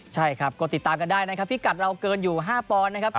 ใช่ครับเติดตามก็ได้นั้นครับภิกัดเราเกินอยู่ห้าปอนไหมครับ